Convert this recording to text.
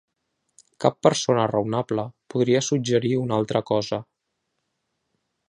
Cap persona raonable podria suggerir una altra cosa.